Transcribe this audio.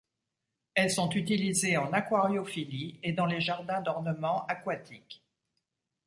Elles sont utilisées en aquariophilie et dans les jardins d'ornement aquatiques.